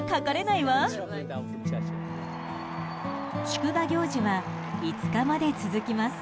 祝賀行事は５日まで続きます。